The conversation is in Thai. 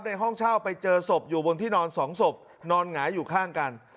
ห้องเช่าไปเจอศพอยู่บนที่นอนสองศพนอนหงายอยู่ข้างกัน